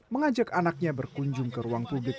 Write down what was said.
mengajak anaknya berkunjung ke ruang publik